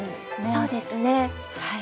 そうですねはい。